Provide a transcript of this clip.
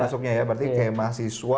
masuknya ya berarti kayak mahasiswa